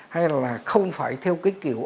hay là không phải theo cái kiểu